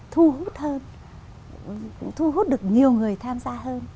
thu hút hơn cũng thu hút được nhiều người tham gia hơn